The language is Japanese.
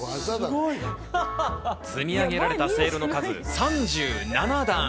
積み上げられたせいろの数、３７段。